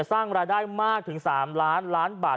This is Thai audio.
สร้างรายได้มากถึง๓ล้านล้านบาท